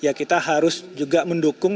ya kita harus juga mendukung